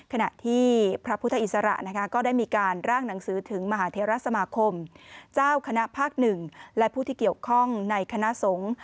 ขณะที่พระพุทธอิสระก็ได้มีการร่างหนังสือถึงมหาเทราสมาคมเจ้าคณะภาค๑และผู้ที่เกี่ยวข้องในคณะสงฆ์